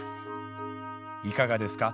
いかがですか？